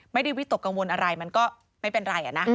ไม่ได้วิตกังวลอะไรมันก็ไม่เป็นไรนะ